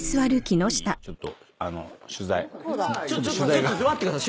ちょっ待ってください。